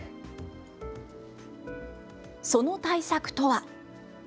その対策とは。